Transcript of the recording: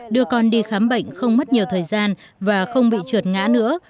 đưa con đi khám bệnh không mất nhiều thời gian và không bị trượt ngã nữa